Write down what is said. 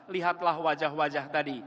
lihatlah wajah wajah tadi